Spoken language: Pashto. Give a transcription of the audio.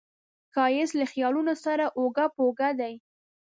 ښایست له خیالونو سره اوږه په اوږه دی